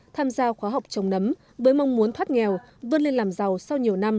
tham gia khóa học trồng nấm với mong muốn thoát nghèo vươn lên làm giàu sau nhiều năm